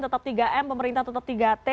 tetap tiga m pemerintah tetap tiga t